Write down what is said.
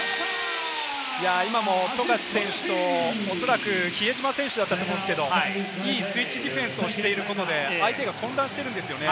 今も富樫選手とおそらく比江島選手だったと思うんですけれども、スイッチディフェンスをしていることで相手が混乱しているんですよね。